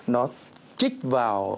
nó chích vào